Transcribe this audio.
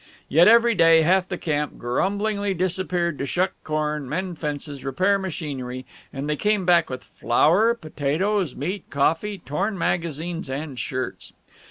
Yet every day half the camp grumblingly disappeared to shuck corn, mend fences, repair machinery, and they came back with flour, potatoes, meat, coffee, torn magazines, and shirts.